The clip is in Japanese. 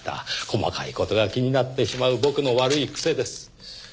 細かい事が気になってしまう僕の悪い癖です。